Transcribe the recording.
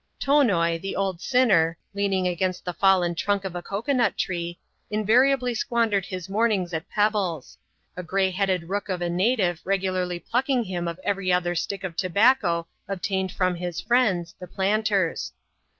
Tonoi, the old sinner, leaning against the fallen trunk of a cocoa nut tree, invariably squandered his mornings at pebbles ; a gray headed rook of a native regularly plucking him of every t)ther stick of tobacco obtained from his friends, the planters.